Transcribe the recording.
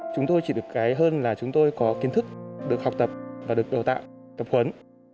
chúng tôi chỉ được cái hơn là chúng tôi có kiến thức được học tập và được đào tạo tập huấn